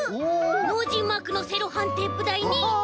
ノージーマークのセロハンテープだいにクレヨン！